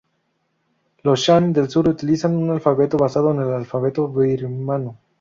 Los shan del sur utilizan un alfabeto basado en el alfabeto birmano.